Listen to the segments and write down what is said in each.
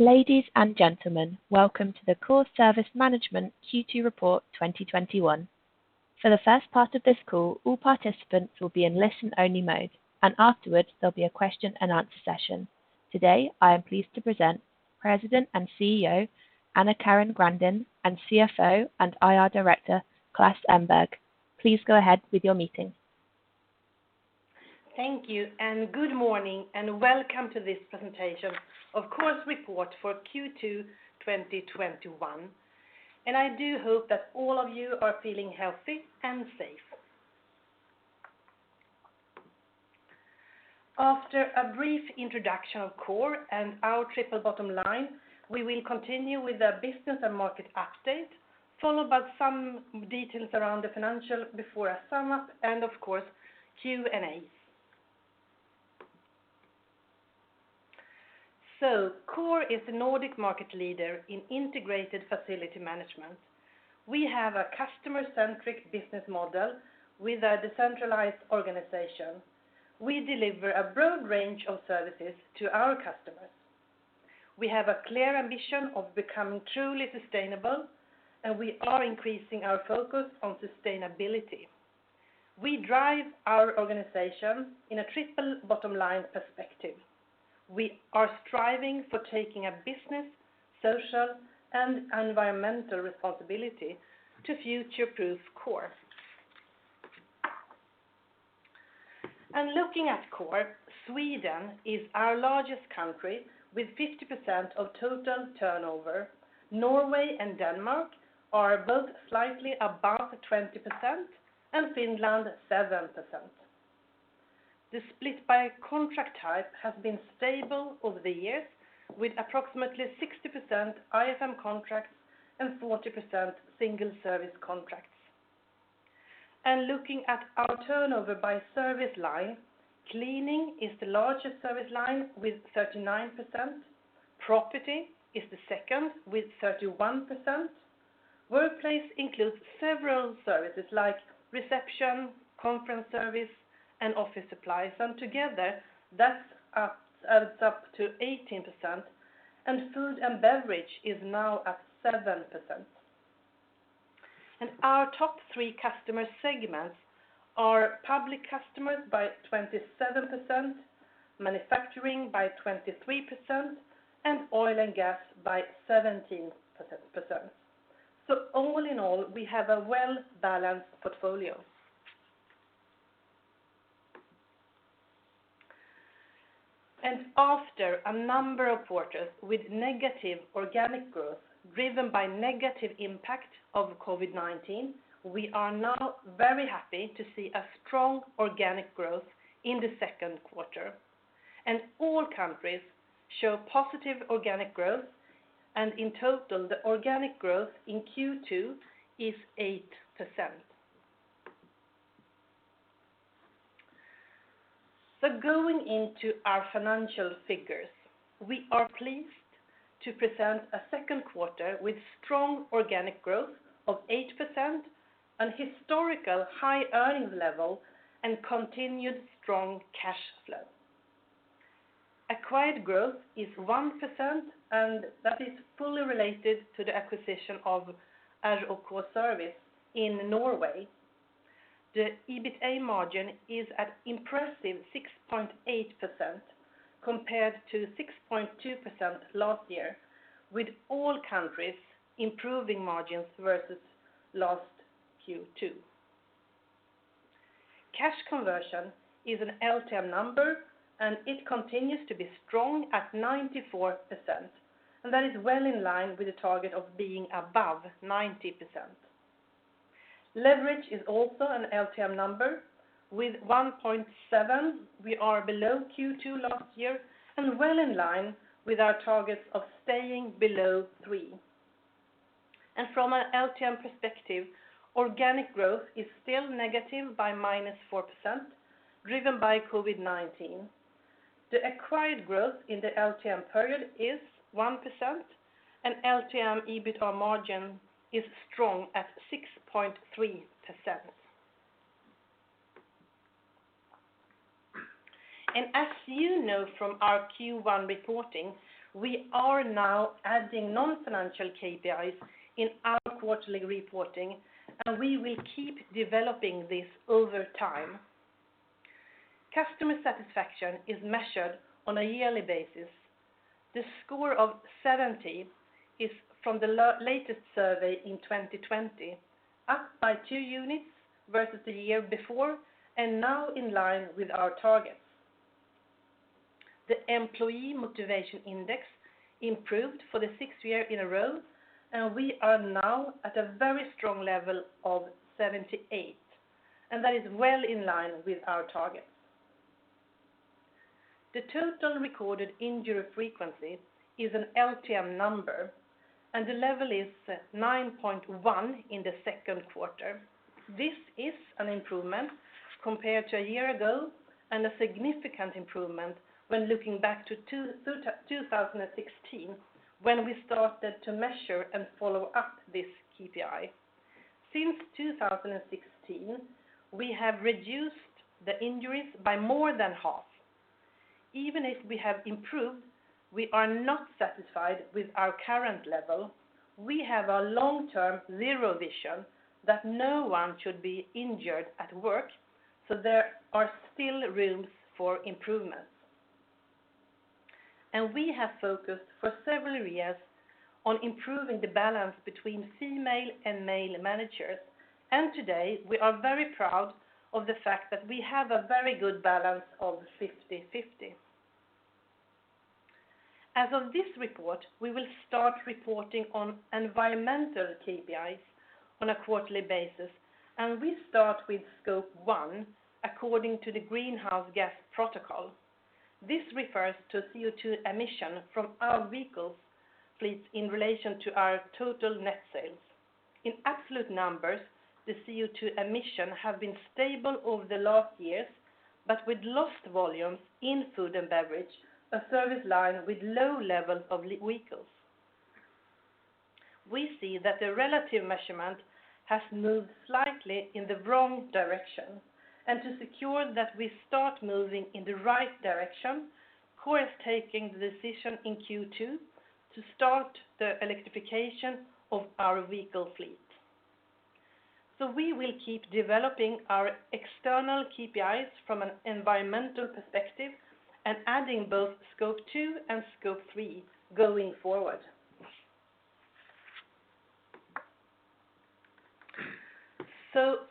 Ladies and gentlemen, welcome to the Coor Service Management Q2 Report 2021. For the first part of this call, all participants will be in listen-only mode, afterwards there'll be a question and answer session. Today, I am pleased to present President and CEO AnnaCarin Grandin and CFO and IR Director Klas Elmberg. Please go ahead with your meeting. Thank you, and good morning, and welcome to this presentation of Coor's report for Q2 2021. I do hope that all of you are feeling healthy and safe. After a brief introduction of Coor and our triple bottom line, we will continue with the business and market update, followed by some details around the financials before I sum up, and of course, Q&A. Coor is the Nordic market leader in integrated facility management. We have a customer-centric business model with a decentralized organization. We deliver a broad range of services to our customers. We have a clear ambition of becoming truly sustainable, and we are increasing our focus on sustainability. We drive our organization in a triple bottom line perspective. We are striving for taking a business, social, and environmental responsibility to future-proof Coor. Looking at Coor, Sweden is our largest country with 50% of total turnover. Norway and Denmark are both slightly above 20%, and Finland 7%. The split by contract type has been stable over the years with approximately 60% IFM contracts and 40% single service contracts. Looking at our turnover by service line, cleaning is the largest service line with 39%. Property is the second with 31%. Workplace includes several services like reception, conference service, and office supplies, and together that adds up to 18%, and food and beverage is now at 7%. Our top three customer segments are public customers by 27%, manufacturing by 23%, and oil and gas by 17%. All in all, we have a well-balanced portfolio. After a number of quarters with negative organic growth driven by negative impact of COVID-19, we are now very happy to see a strong organic growth in the second quarter. All countries show positive organic growth, and in total, the organic growth in Q2 is 8%. Going into our financial figures, we are pleased to present a second quarter with strong organic growth of 8%, an historical high earnings level, and continued strong cash flow. Acquired growth is 1%, and that is fully related to the acquisition of R&K Service in Norway. The EBITA margin is at impressive 6.8% compared to 6.2% last year, with all countries improving margins versus last Q2. Cash conversion is an LTM number, and it continues to be strong at 94%, and that is well in line with the target of being above 90%. Leverage is also an LTM number. With 1.7, we are below Q2 last year and well in line with our targets of staying below three. From an LTM perspective, organic growth is still negative by -4%, driven by COVID-19. The acquired growth in the LTM period is 1%, and LTM EBITA margin is strong at 6.3%. As you know from our Q1 reporting, we are now adding non-financial KPIs in our quarterly reporting, and we will keep developing this over time. Customer satisfaction is measured on a yearly basis. The score of 70 is from the latest survey in 2020, up by two units versus the year before and now in line with our targets. The employee motivation index improved for the sixth year in a row, and we are now at a very strong level of 78, and that is well in line with our targets. The total recorded injury frequency is an LTM number, and the level is 9.1 in the second quarter. This is an improvement compared to a year ago and a significant improvement when looking back to 2016 when we started to measure and follow up this KPI. Since 2016, we have reduced the injuries by more than half. Even if we have improved, we are not satisfied with our current level. We have a long-term zero vision that no one should be injured at work, so there are still rooms for improvements. We have focused for several years on improving the balance between female and male managers. Today, we are very proud of the fact that we have a very good balance of 50/50. As of this report, we will start reporting on environmental KPIs on a quarterly basis, and we start with Scope 1 according to the Greenhouse Gas Protocol. This refers to CO2 emission from our vehicles fleets in relation to our total net sales. In absolute numbers, the CO2 emission have been stable over the last years, but with lost volumes in food and beverage, a service line with low level of vehicles. We see that the relative measurement has moved slightly in the wrong direction and to secure that we start moving in the right direction, Coor is taking the decision in Q2 to start the electrification of our vehicle fleet. We will keep developing our external KPIs from an environmental perspective and adding both Scope 2 and Scope 3 going forward.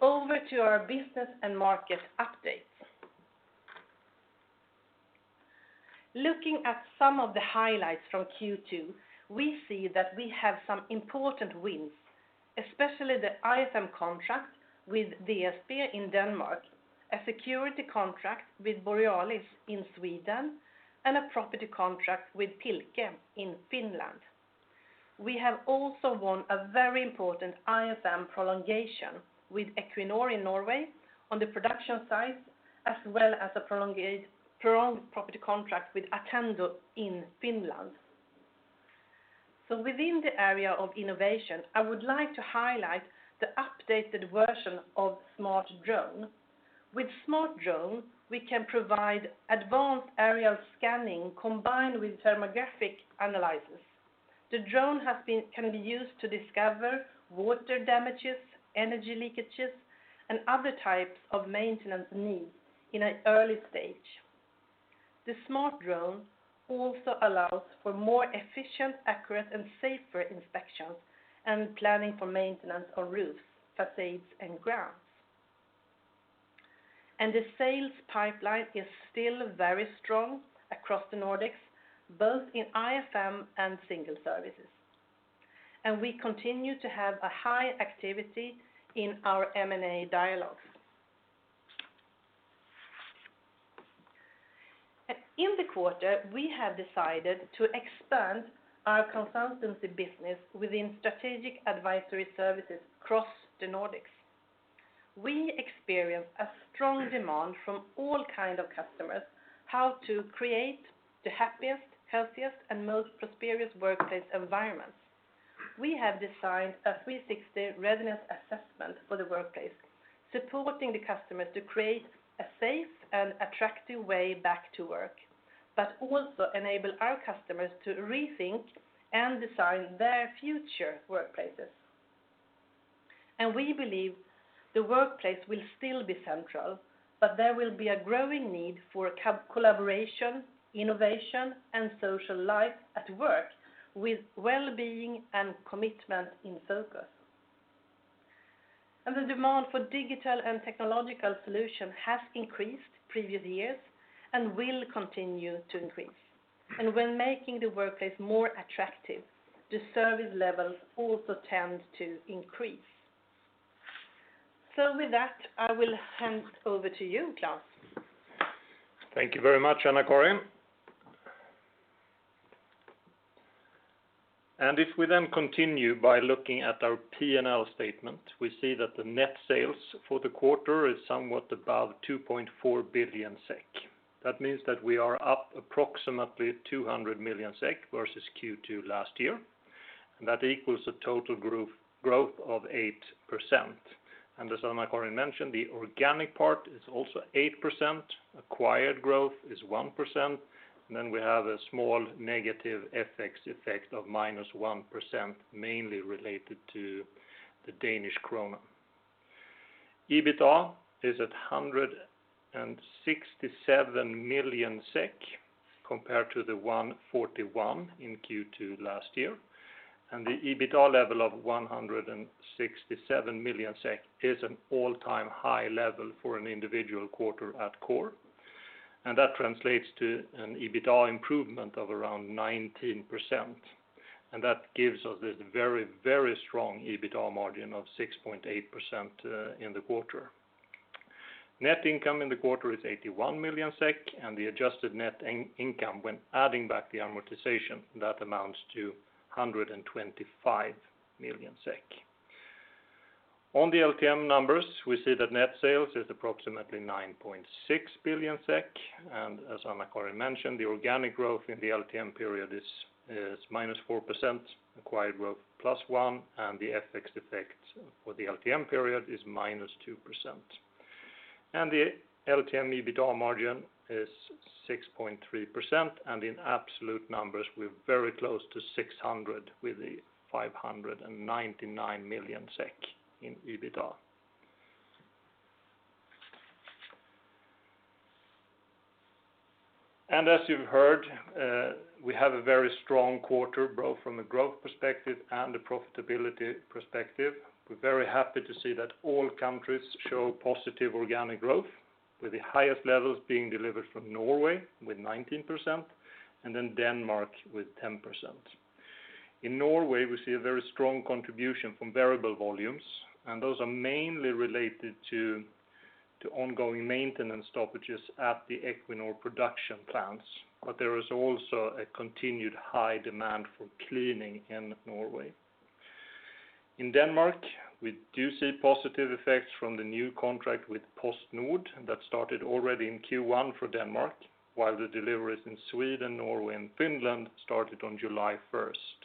Over to our business and market updates. Looking at some of the highlights from Q2, we see that we have some important wins, especially the IFM contract with DSB in Denmark, a security contract with Borealis in Sweden, and a property contract with Tilke in Finland. We have also won a very important IFM prolongation with Equinor in Norway on the production side, as well as a prolonged property contract with Attendo in Finland. Within the area of innovation, I would like to highlight the updated version of SmartDrone. With SmartDrone, we can provide advanced aerial scanning combined with thermographic analysis. The drone can be used to discover water damages, energy leakages, and other types of maintenance needs in an early stage. The SmartDrone also allows for more efficient, accurate, and safer inspections and planning for maintenance on roofs, facades, and grounds. The sales pipeline is still very strong across the Nordics, both in IFM and single services. We continue to have a high activity in our M&A dialogues. In the quarter, we have decided to expand our consultancy business within strategic advisory services across the Nordics. We experience a strong demand from all kind of customers how to create the happiest, healthiest, and most prosperous workplace environments. We have designed a 360 resonance assessment for the workplace, supporting the customers to create a safe and attractive way back to work, but also enable our customers to rethink and design their future workplaces. We believe the workplace will still be central, but there will be a growing need for collaboration, innovation, and social life at work with wellbeing and commitment in focus. The demand for digital and technological solution has increased previous years and will continue to increase. When making the workplace more attractive, the service levels also tend to increase. With that, I will hand over to you, Klas. Thank you very much, AnnaCarin. If we then continue by looking at our P&L statement, we see that the net sales for the quarter is somewhat above 2.4 billion SEK. That means that we are up approximately 200 million SEK versus Q2 last year, and that equals a total growth of 8%. As AnnaCarin mentioned, the organic part is also 8%, acquired growth is 1%, then we have a small negative FX effect of -1%, mainly related to the Danish krone. EBITA is at 167 million SEK compared to the 141 in Q2 last year. The EBITDA level of 167 million SEK is an all-time high level for an individual quarter at Coor. That translates to an EBITDA improvement of around 19%. That gives us this very strong EBITDA margin of 6.8% in the quarter. Net income in the quarter is 81 million SEK, the adjusted net income, when adding back the amortization, that amounts to 125 million SEK. On the LTM numbers, we see that net sales is approximately 9.6 billion SEK, as AnnaCarin mentioned, the organic growth in the LTM period is -4%, acquired growth +1%, the FX effect for the LTM period is -2%. The LTM EBITA margin is 6.3%, in absolute numbers, we're very close to 600 with the 599 million SEK in EBITDA. Next slide. As you've heard, we have a very strong quarter, both from a growth perspective and a profitability perspective. We're very happy to see that all countries show positive organic growth, with the highest levels being delivered from Norway with 19%, then Denmark with 10%. In Norway, we see a very strong contribution from variable volumes, those are mainly related to ongoing maintenance stoppages at the Equinor production plants. There is also a continued high demand for cleaning in Norway. In Denmark, we do see positive effects from the new contract with PostNord that started already in Q1 for Denmark, while the deliveries in Sweden, Norway, and Finland started on July 1st.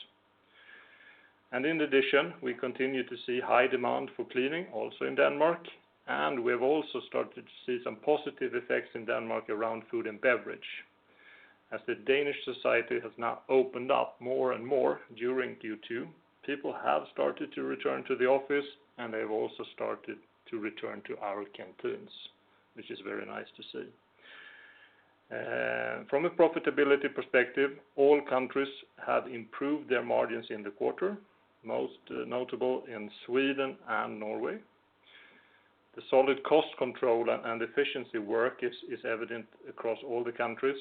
In addition, we continue to see high demand for cleaning also in Denmark, and we have also started to see some positive effects in Denmark around food and beverage. As the Danish society has now opened up more and more during Q2, people have started to return to the office, and they've also started to return to our canteens, which is very nice to see. From a profitability perspective, all countries have improved their margins in the quarter, most notable in Sweden and Norway. The solid cost control and efficiency work is evident across all the countries,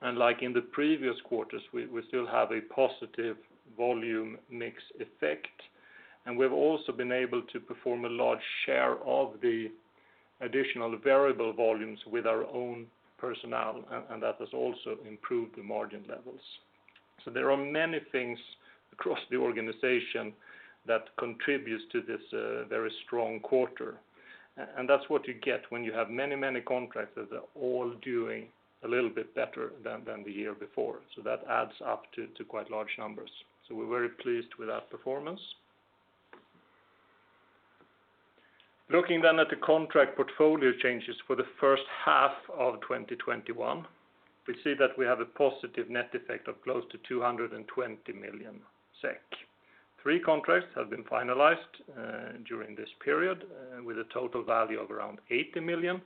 and like in the previous quarters, we still have a positive volume mix effect, and we've also been able to perform a large share of the additional variable volumes with our own personnel, and that has also improved the margin levels. There are many things across the organization that contributes to this very strong quarter, and that's what you get when you have many contracts that are all doing a little bit better than the year before. That adds up to quite large numbers. We're very pleased with that performance. Looking at the contract portfolio changes for the first half of 2021, we see that we have a positive net effect of close to 220 million SEK. Three contracts have been finalized during this period with a total value of around 80 million,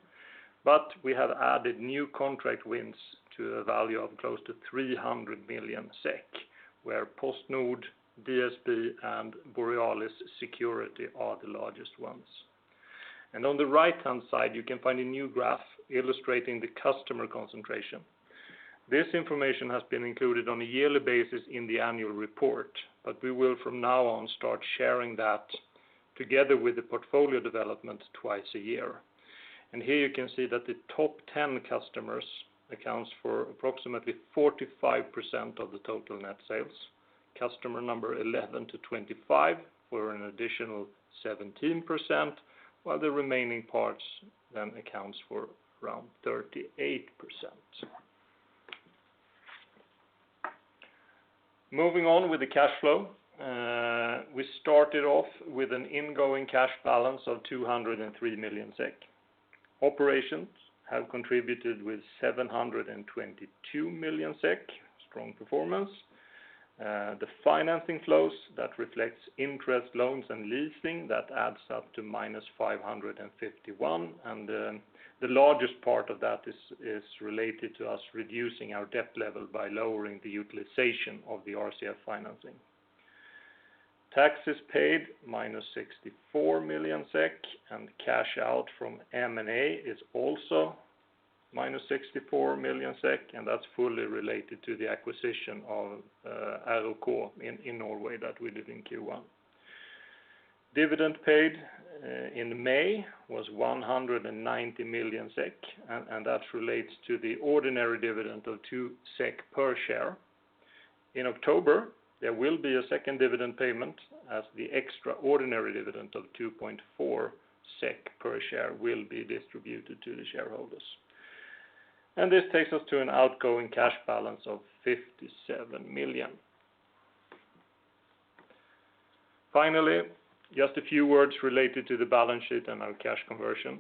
we have added new contract wins to a value of close to 300 million SEK, where PostNord, DSB, and Borealis Security are the largest ones. On the right-hand side, you can find a new graph illustrating the customer concentration. This information has been included on a yearly basis in the annual report, we will from now on start sharing that together with the portfolio development twice a year. Here you can see that the top 10 customers accounts for approximately 45% of the total net sales. Customer number 11 to 25 for an additional 17%, while the remaining parts then accounts for around 38%. Moving on with the cash flow. We started off with an ingoing cash balance of 203 million SEK. Operations have contributed with 722 million SEK, strong performance. The financing flows that reflects interest, loans, and leasing, that adds up to -551, and the largest part of that is related to us reducing our debt level by lowering the utilization of the RCF financing. Taxes paid, -64 million SEK, and cash out from M&A is also -64 million SEK, and that is fully related to the acquisition of R&K Service in Norway that we did in Q1. Dividend paid in May was 190 million SEK, and that relates to the ordinary dividend of 2 SEK per share. In October, there will be a second dividend payment as the extraordinary dividend of 2.4 SEK per share will be distributed to the shareholders. This takes us to an outgoing cash balance of 57 million. Finally, just a few words related to the balance sheet and our cash conversion.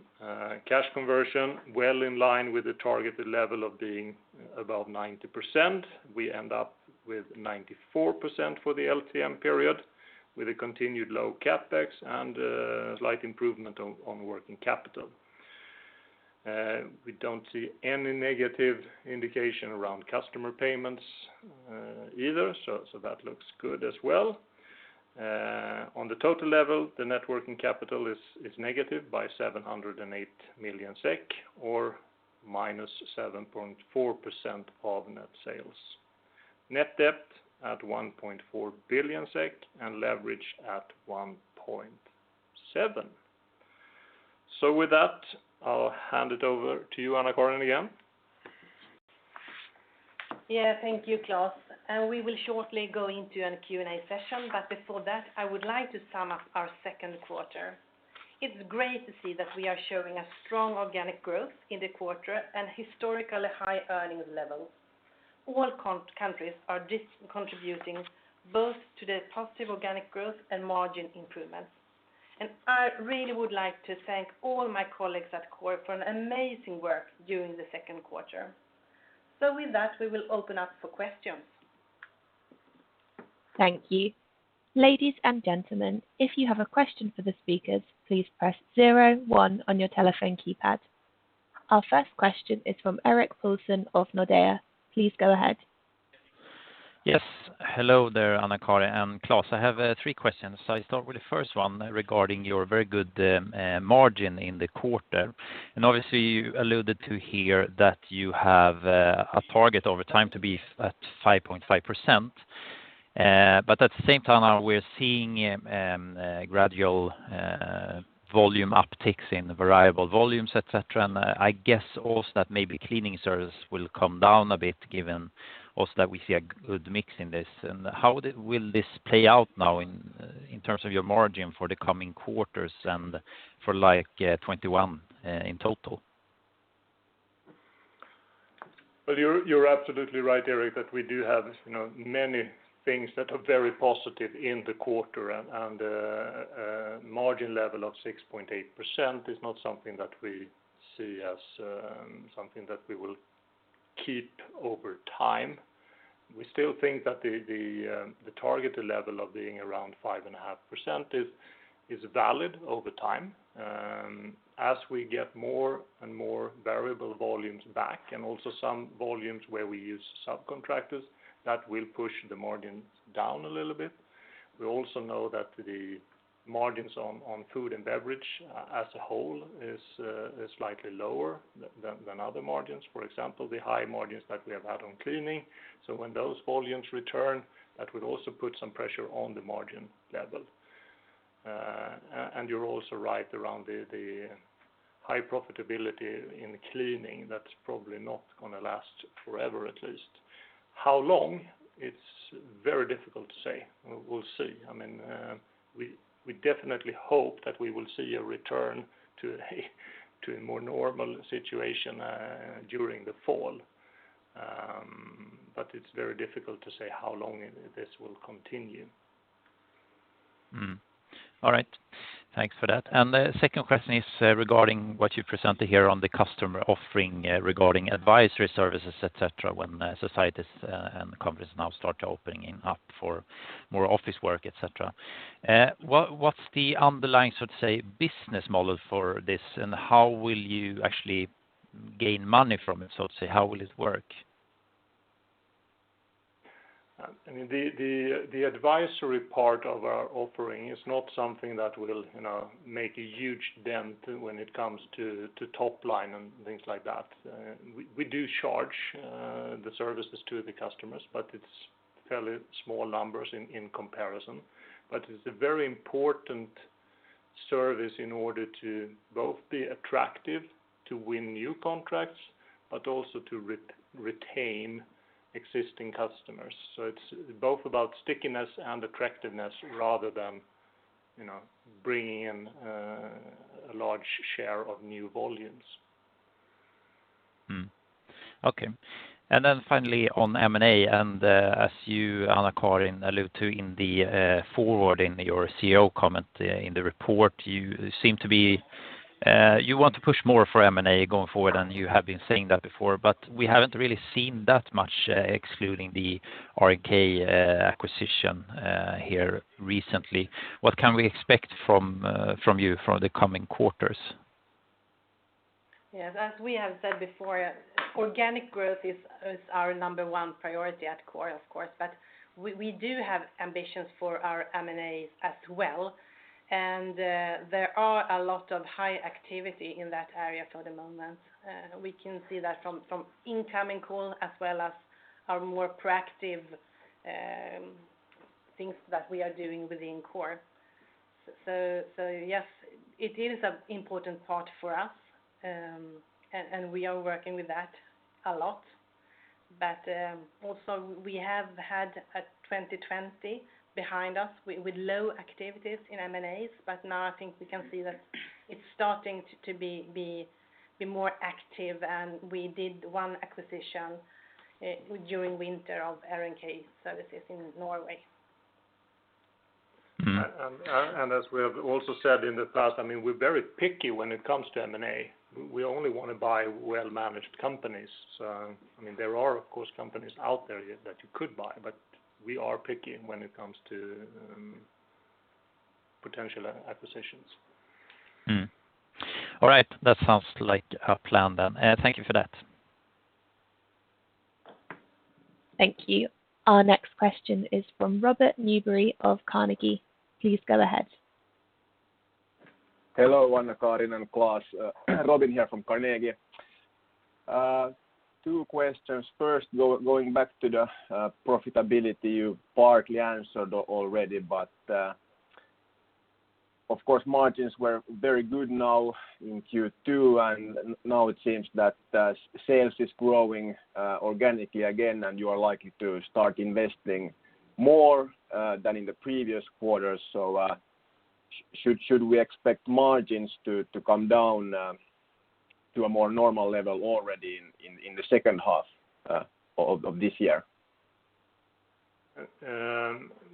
Cash conversion, well in line with the targeted level of being above 90%. We end up with 94% for the LTM period with a continued low CapEx and a slight improvement on working capital. We don't see any negative indication around customer payments either, so that looks good as well. On the total level, the net working capital is negative by 708 million SEK, or -7.4% of net sales. Net debt at 1.4 billion SEK and leverage at 1.7. With that, I'll hand it over to you, AnnaCarin, again. Thank you, Klas. We will shortly go into a Q&A session, but before that, I would like to sum up our second quarter. It's great to see that we are showing a strong organic growth in the quarter and historically high earnings levels. All countries are contributing both to the positive organic growth and margin improvements. I really would like to thank all my colleagues at Coor for an amazing work during the second quarter. With that, we will open up for questions. Thank you. Ladies and gentlemen, if you have a question for the speakers, please press zero one on your telephone keypad. Our first question is from Erik Paulsson of Nordea. Please go ahead. Yes. Hello there, AnnaCarin and Klas. I have three questions. I start with the first one regarding your very good margin in the quarter. Obviously you alluded to here that you have a target over time to be at 5.5%. At the same time now we're seeing a gradual volume upticks in variable volumes, et cetera. I guess also that maybe cleaning service will come down a bit, given also that we see a good mix in this. How will this play out now in terms of your margin for the coming quarters and for 2021 in total? Well, you're absolutely right, Erik, that we do have many things that are very positive in the quarter. A margin level of 6.8% is not something that we see as something that we will keep over time. We still think that the targeted level of being around 5.5% is valid over time. As we get more and more variable volumes back, and also some volumes where we use subcontractors, that will push the margins down a little bit. We also know that the margins on food and beverage as a whole is slightly lower than other margins. For example, the high margins that we have had on cleaning. When those volumes return, that will also put some pressure on the margin level. You're also right around the high profitability in cleaning, that's probably not going to last forever, at least. How long? It's very difficult to say. We'll see. We definitely hope that we will see a return to a more normal situation during the fall. It's very difficult to say how long this will continue. All right. Thanks for that. The second question is regarding what you presented here on the customer offering regarding advisory services, et cetera, when societies and companies now start opening up for more office work, et cetera. What's the underlying business model for this, and how will you actually gain money from it? Say, how will it work? The advisory part of our offering is not something that will make a huge dent when it comes to top line and things like that. We do charge the services to the customers, but it's fairly small numbers in comparison. It's a very important service in order to both be attractive to win new contracts, but also to retain existing customers. It's both about stickiness and attractiveness rather than bringing in a large share of new volumes. Okay. Finally on M&A, and as you, AnnaCarin, allude to in the forward in your CEO comment in the report, you want to push more for M&A going forward, and you have been saying that before, but we haven't really seen that much excluding the R&K acquisition here recently. What can we expect from you for the coming quarters? Yes, as we have said before, organic growth is our number one priority at Coor, of course, but we do have ambitions for our M&As as well. There are a lot of high activity in that area for the moment. We can see that from incoming call as well as our more proactive things that we are doing within Coor. Yes, it is an important part for us, and we are working with that a lot. Also we have had a 2020 behind us with low activities in M&As, but now I think we can see that it's starting to be more active, and we did one acquisition during winter of R&K Service in Norway. As we have also said in the past, we're very picky when it comes to M&A. We only want to buy well-managed companies. There are, of course, companies out there that you could buy, but we are picky when it comes to potential acquisitions. All right. That sounds like a plan then. Thank you for that. Thank you. Our next question is from Robin Nyberg of Carnegie. Please go ahead. Hello, AnnaCarin and Klas. Robin here from Carnegie. Two questions. First, going back to the profitability you partly answered already, but of course margins were very good now in Q2, and now it seems that sales is growing organically again, and you are likely to start investing more than in the previous quarters. Should we expect margins to come down to a more normal level already in the second half of this year?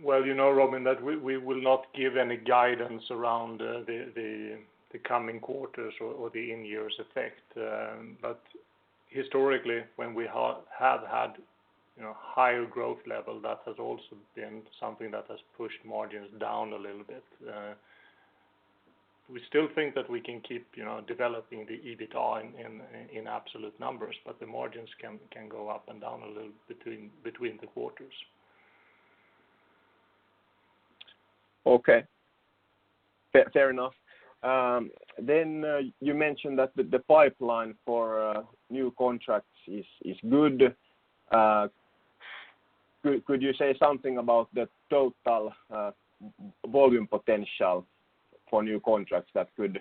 Robin, we will not give any guidance around the coming quarters or the in-years effect. Historically, when we have had higher growth level, that has also been something that has pushed margins down a little bit. We still think that we can keep developing the EBITDA in absolute numbers, but the margins can go up and down a little between the quarters. Okay. Fair enough. You mentioned that the pipeline for new contracts is good. Could you say something about the total volume potential for new contracts that could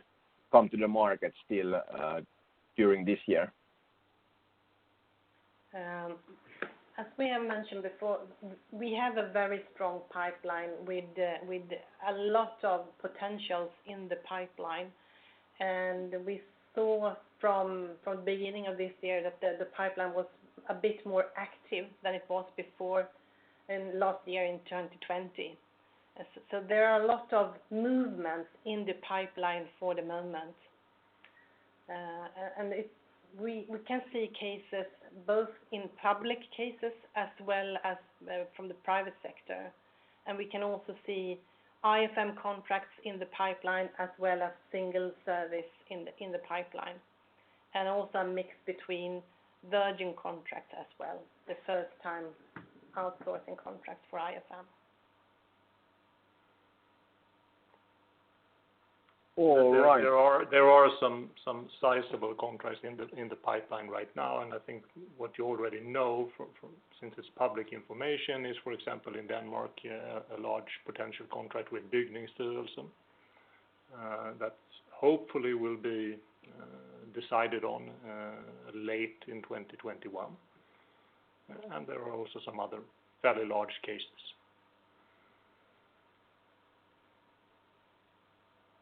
come to the market still during this year? As we have mentioned before, we have a very strong pipeline with a lot of potentials in the pipeline. We saw from the beginning of this year that the pipeline was a bit more active than it was before in last year in 2020. There are a lot of movements in the pipeline for the moment. We can see cases both in public cases as well as from the private sector. We can also see IFM contracts in the pipeline as well as single service in the pipeline, and also a mix between virgin contract as well, the first-time outsourcing contract for IFM. All right. There are some sizable contracts in the pipeline right now, I think what you already know since it's public information, is, for example, in Denmark, a large potential contract with Bygningsstyrelsen that hopefully will be decided on late in 2021. There are also some other fairly large cases.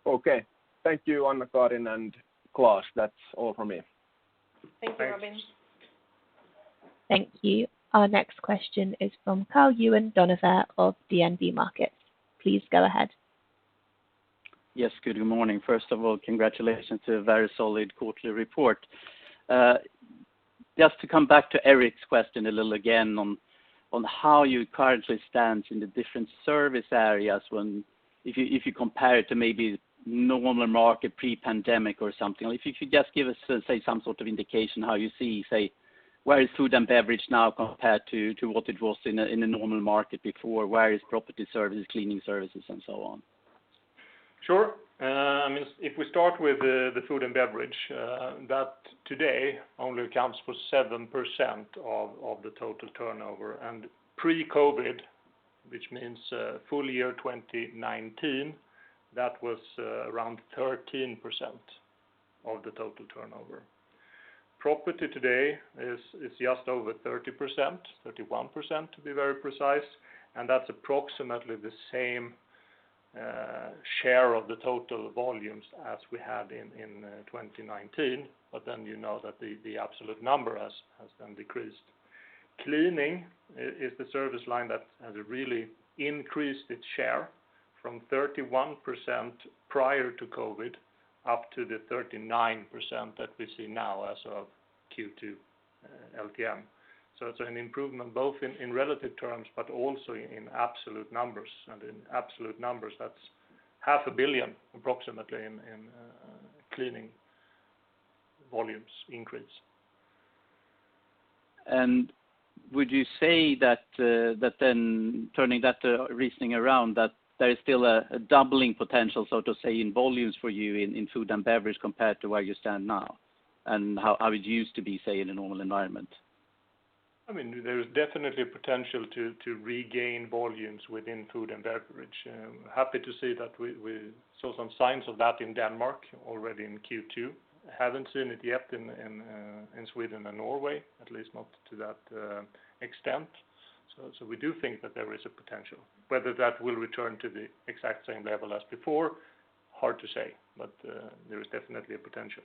Okay. Thank you, AnnaCarin and Klas. That's all from me. Thank you, Robin. Thanks. Thank you. Our next question is from Karl-Johan Bonnevier of DNB Markets. Please go ahead. Yes, good morning. First of all, congratulations to a very solid quarterly report. Just to come back to Erik's question a little again on how you currently stand in the different service areas if you compare it to maybe normal market pre-pandemic or something. If you could just give us, say, some sort of indication how you see, say, where is food and beverage now compared to what it was in a normal market before? Where is property services, cleaning services, and so on? Sure. If we start with the food and beverage, that today only accounts for 7% of the total turnover. Pre-COVID-19, which means full year 2019, that was around 13% of the total turnover. Property today is just over 30%, 31% to be very precise, and that's approximately the same share of the total volumes as we had in 2019. You know that the absolute number has then decreased. Cleaning is the service line that has really increased its share from 31% prior to COVID-19 up to the 39% that we see now as of Q2 LTM. It's an improvement both in relative terms, but also in absolute numbers. In absolute numbers, that's SEK half a billion approximately in cleaning volumes increase. Would you say that then turning that reasoning around that there is still a doubling potential, so to say, in volumes for you in food and beverage compared to where you stand now and how it used to be, say, in a normal environment? There is definitely potential to regain volumes within food and beverage. Happy to see that we saw some signs of that in Denmark already in Q2. Haven't seen it yet in Sweden and Norway, at least not to that extent. We do think that there is a potential. Whether that will return to the exact same level as before, hard to say, but there is definitely a potential.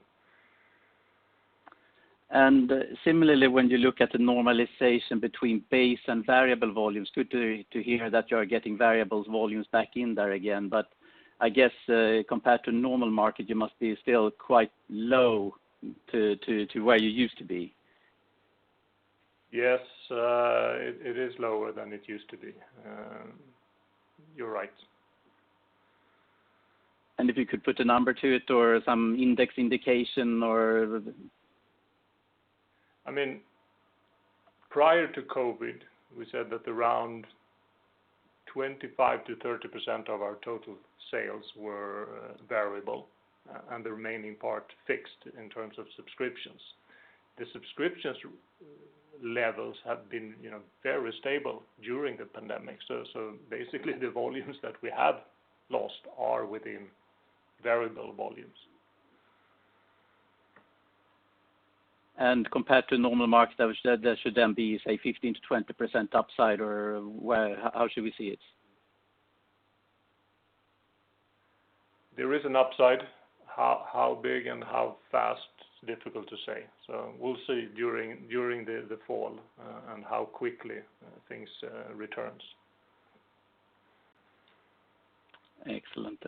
Similarly, when you look at the normalization between base and variable volumes, good to hear that you are getting variable volumes back in there again. I guess compared to normal market, you must be still quite low to where you used to be. Yes, it is lower than it used to be. You're right. If you could put a number to it or some index indication or? Prior to COVID-19, we said that around 25%-30% of our total sales were variable and the remaining part fixed in terms of subscriptions. The subscriptions levels have been very stable during the pandemic. Basically, the volumes that we have lost are within variable volumes. Compared to normal market, there should then be, say, 15%-20% upside, or how should we see it? There is an upside. How big and how fast, difficult to say. We'll see during the fall and how quickly things returns. Excellent.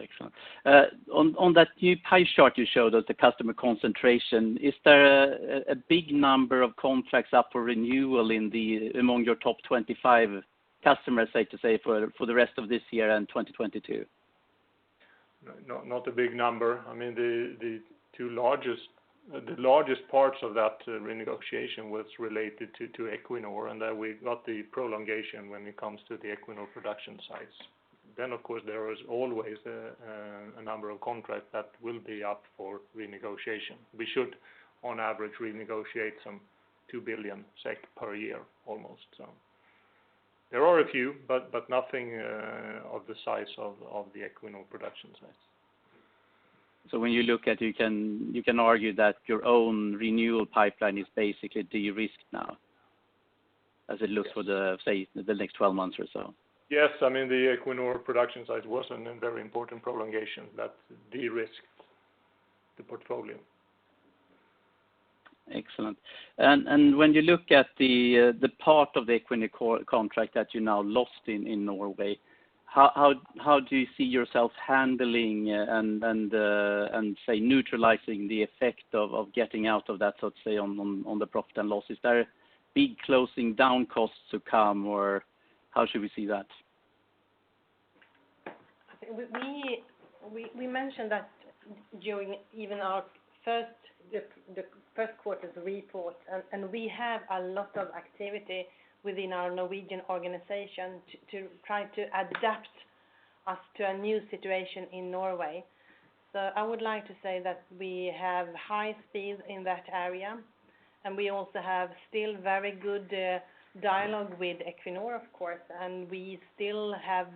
On that new pie chart you showed us, the customer concentration, is there a big number of contracts up for renewal among your top 25 customers, safe to say, for the rest of this year and 2022? No, not a big number. The largest parts of that renegotiation was related to Equinor, and that we got the prolongation when it comes to the Equinor production sites. Of course, there is always a number of contracts that will be up for renegotiation. We should, on average, renegotiate some 2 billion SEK per year almost. There are a few, but nothing of the size of the Equinor production sites. When you look at it, you can argue that your own renewal pipeline is basically de-risked now as it looks for the next 12 months or so. Yes, the Equinor production site was a very important prolongation that de-risked the portfolio. Excellent. When you look at the part of the Equinor contract that you now lost in Norway, how do you see yourself handling and say neutralizing the effect of getting out of that on the profit and loss? Is there a big closing down cost to come, or how should we see that? We mentioned that during even our first quarter's report, and we have a lot of activity within our Norwegian organization to try to adapt us to a new situation in Norway. I would like to say that we have high speed in that area, and we also have still very good dialogue with Equinor, of course, and we still have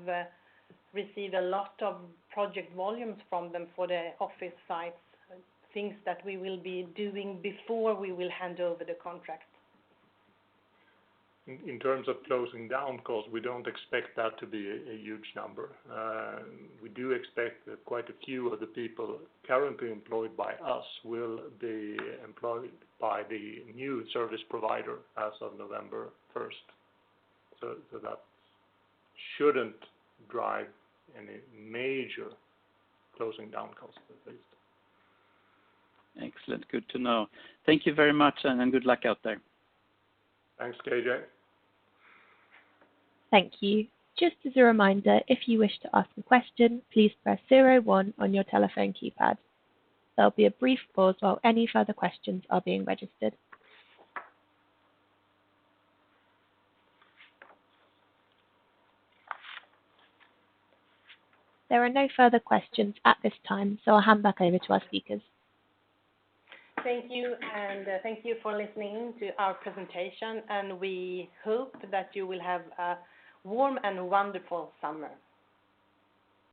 received a lot of project volumes from them for the office sites, things that we will be doing before we will hand over the contract. In terms of closing down costs, we don't expect that to be a huge number. We do expect quite a few of the people currently employed by us will be employed by the new service provider as of November 1st. That shouldn't drive any major closing down costs, at least. Excellent. Good to know. Thank you very much, and good luck out there. Thanks, KJ. Thank you. Just as a reminder, if you wish to ask a question, please press zero one on your telephone keypad. There'll be a brief pause while any further questions are being registered. There are no further questions at this time, I'll hand back over to our speakers. Thank you, and thank you for listening to our presentation, and we hope that you will have a warm and wonderful summer.